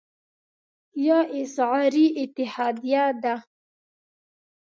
دا Currency Union یا اسعاري اتحادیه ده.